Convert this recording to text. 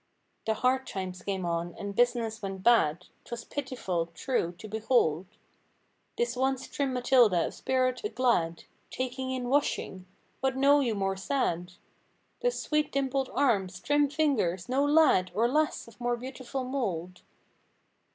The hard times came on, and business went bad, 'Twas pitiful, true—to behold This once trim Matilda of spirit aglad. Taking in washing! What know you more sad? Those sweet dimpled arms! Trim fingers! No lad Or lass of more beautiful mold.